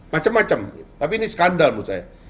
macem macem tapi ini skandal menurut saya